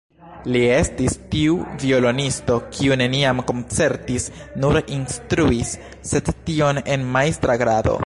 Li estis tiu violonisto, kiu neniam koncertis, nur instruis, sed tion en majstra grado.